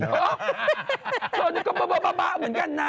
โทษนะก็บ้าเหมือนกันนะ